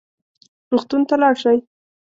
روغتون ته لاړ شئ